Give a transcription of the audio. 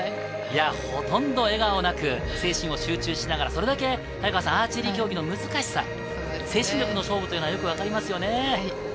ほとんど笑顔なく精神を集中して、それだけアーチェリー競技の難しさ、精神力の勝負というのがわかりますね。